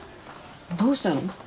どうしたの？